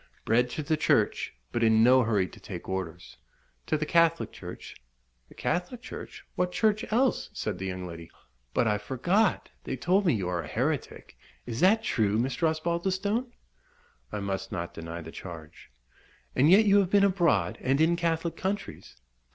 Bred to the church, but in no hurry to take orders." "To the Catholic Church?" "The Catholic Church? what Church else?" said the young lady. "But I forgot they told me you are a heretic. Is that true, Mr. Osbaldistone?" "I must not deny the charge." "And yet you have been abroad, and in Catholic countries?"